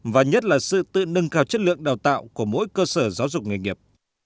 và nhất là sự tự nâng cao chất lượng đào tạo của mỗi cơ sở giáo dục nghề nghiệp